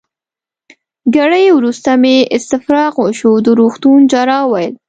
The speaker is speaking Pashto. ګړی وروسته مې استفراق وشو، د روغتون جراح وویل.